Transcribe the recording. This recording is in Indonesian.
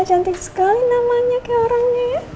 cantik sekali namanya kayak orangnya ya